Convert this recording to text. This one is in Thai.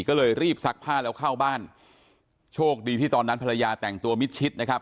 ก็เลยรีบซักผ้าแล้วเข้าบ้านโชคดีที่ตอนนั้นภรรยาแต่งตัวมิดชิดนะครับ